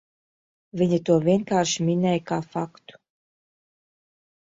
Viņa to vienkārši minēja kā faktu.